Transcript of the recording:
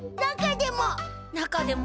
中でも！